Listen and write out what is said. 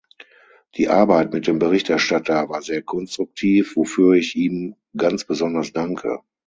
Die Arbeit mit dem Berichterstatter war sehr konstruktiv, wofür ich ihm ganz besonders danke.